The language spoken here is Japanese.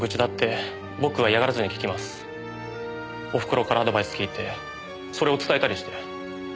おふくろからアドバイス聞いてそれを伝えたりして。